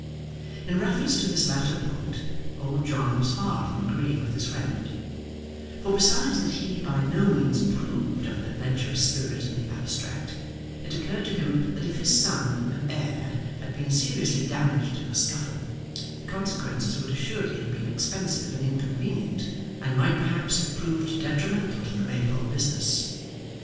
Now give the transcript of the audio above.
In reference to this latter point, old John was far from agreeing with his friend; for besides that he by no means approved of an adventurous spirit in the abstract, it occurred to him that if his son and heir had been seriously damaged in a scuffle, the consequences would assuredly have been expensive and inconvenient, and might perhaps have proved detrimental to the Maypole business.